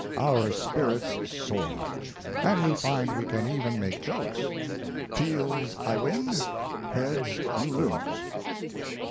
Our spirits soar, and we find we can even make jokes: Taels I win, Heads you lose.